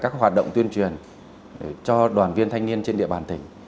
các hoạt động tuyên truyền cho đoàn viên thanh niên trên địa bàn tỉnh